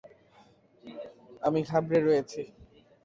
আমি ঘাবড়ে রয়েছি।